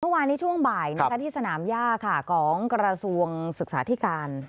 เมื่อวานนี้ช่วงบ่ายที่สนามย่าของกระทรวงศึกษาธิการ